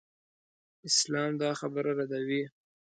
اسلام دا خبره ردوي.